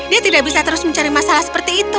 dia tidak bisa terus mencari masalah seperti itu